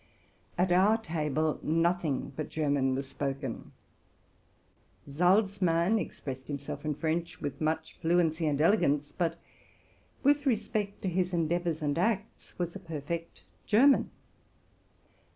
At our table nothing but German was spoken. Salzmann expressed himself in French with much fluency and elegance, but, with respect to his endeavors and acts, was a perfect Ger man.